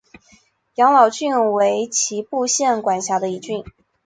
养老郡为岐阜县管辖的一郡。